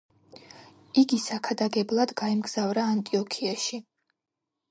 იგი საქადაგებლად გაემგზავრა ანტიოქიაში.